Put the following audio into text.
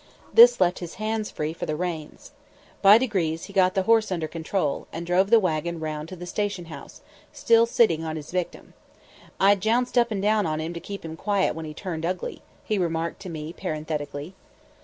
This left his hands free for the reins. By degrees he got the horse under control, and drove the wagon round to the station house, still sitting on his victim. "I jounced up and down on him to keep him quiet when he turned ugly," he remarked to me parenthetically.